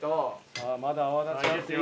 さあまだ泡立ちますよ。